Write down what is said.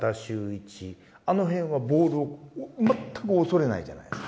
あの辺はボールを全く恐れないじゃないですか。